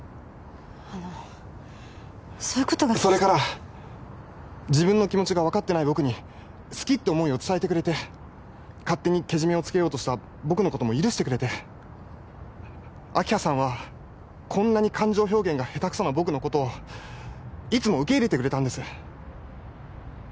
あのそういうことが聞きそれから自分の気持ちがわかってない僕に好きって思いを伝えてくれて勝手にけじめをつけようとした僕のことも許してくれて明葉さんはこんなに感情表現がヘタクソな僕のことをいつも受け入れてくれたんです